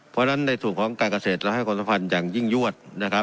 เพราะฉะนั้นในส่วนของการเกษตรเราให้ความสัมพันธ์อย่างยิ่งยวดนะครับ